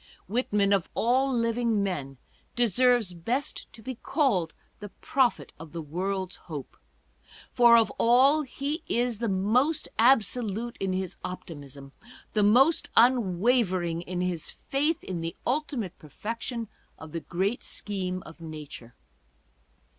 Whitman, of all living men, deserves best to be called the prophet of the world's hope; for of all he is the most absolute in his optimism, the most unwavering in his faith in the ultimate perfection of the great scheme of nature.